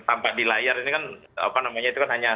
tampak di layar ini kan hanya